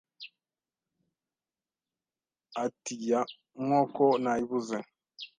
ati ya nkoko nayibuze